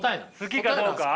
好きかどうか？